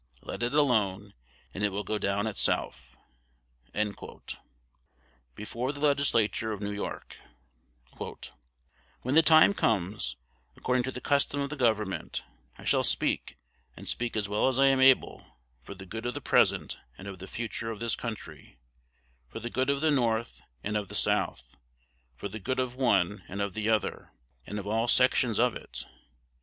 Let it alone, and it will go down itself_." Before the Legislature of New York: "When the time comes, according to the custom of the Government, I shall speak, and speak as well as I am able for the good of the present and of the future of this country, for the good of the North and of the South, for the good of one and of the other, and of all sections of it.